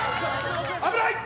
危ない！